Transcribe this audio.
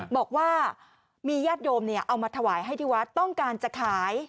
บอกว่ามีญาติโยมเอามาถวายให้ที่วัดต้องการจะขาย